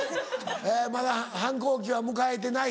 えまだ反抗期は迎えてない？